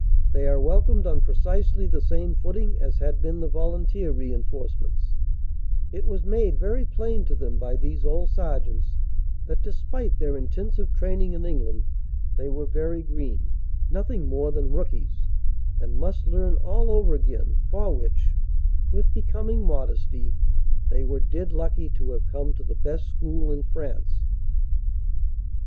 They are welcomed on precisely the same footing as had been the volunteer reinforce ments it was made very plain to them by these old Sergeants that despite their intensive training in England they were very green, nothing more than rookies, and must learn all over again for which (with becoming modesty) they were dead lucky to have come to the best school in France.